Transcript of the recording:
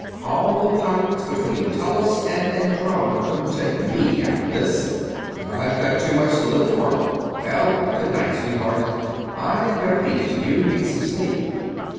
All the pirates between Tellus and Andromeda couldn't take me after this I've got too much to live for. Well, goodnight, sweetheart, I'd better beat it you need some sleep."